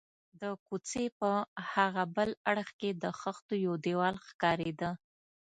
د کوڅې په هاغه بل اړخ کې د خښتو یو دېوال ښکارېده.